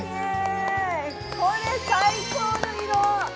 これ、最高の色！